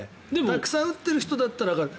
たくさん打っている人だったらわかる。